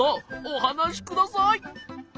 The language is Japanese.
おはなしください。